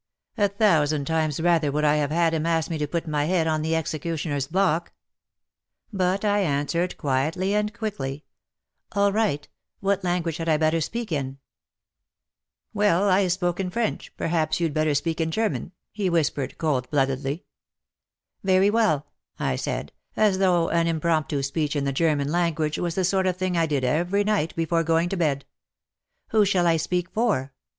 A thousand times rather would I have had him ask me to put my head on the executioner's block ! But I answered quietly and quickly, '* All right, what language had I better speak in?" *'Well — I spoke in French — perhaps you'd WAR AND WOMEN 45 better speak in German," he whispered cold bloodedly. Very well," I said, as though an impromptu speech in the German language was the sort of thing I did every night before going to bed. ''Who shall I speak for?"